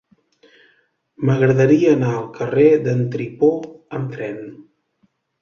M'agradaria anar al carrer d'en Tripó amb tren.